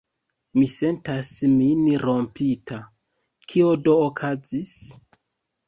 Mi sentas min rompita: kio do okazis?